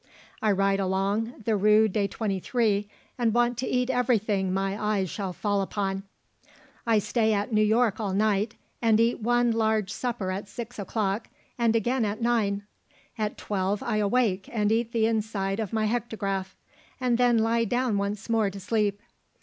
I ride along the Rue de Twenty three, and want to eat everything my eyes shall fall upon. "I stay at New York all night, and eat one large supper at 6 o'clock, and again at 9. At 12 I awake and eat the inside of my hektograph, and then lie down once more to sleep.